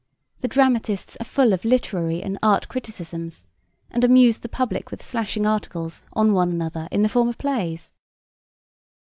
The dramatists are full of literary and art criticisms, and amused the public with slashing articles on one another in the form of plays.